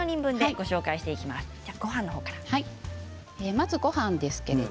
まずはごはんです